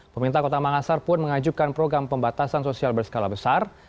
pemerintah kota makassar pun mengajukan program pembatasan sosial berskala besar